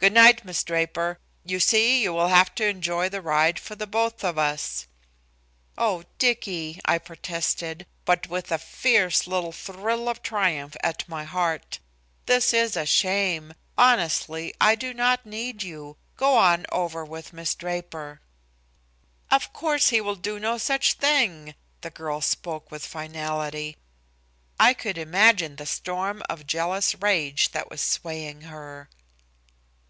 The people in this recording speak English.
"Good night, Miss Draper. You see you will have to enjoy the ride for both of us." "Oh, Dicky!" I protested, but with a fierce little thrill of triumph at my heart. "This is a shame. Honestly, I do not need you. Go on over with Miss Draper." "Of course he will do no such thing." The girl spoke with finality. I could imagine the storm of jealous rage that was swaying her.